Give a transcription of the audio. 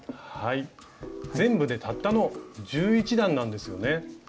全部でたったの１１段なんですよね。